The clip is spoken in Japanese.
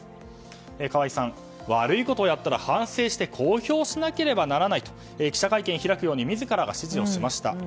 川合さん、悪いことをやったら反省して公表しなければならないと記者会見を開くように自らが指示をしました。